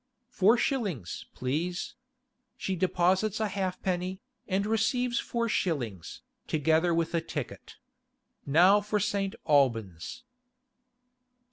'Four shillings, please.' She deposits a halfpenny, and receives four shillings, together with a ticket. Now for St. Albans.